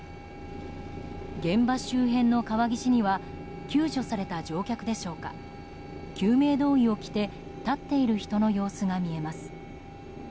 現場周辺の川岸には救助された乗客でしょうか救命胴衣を着て立っている人の様子が見えます。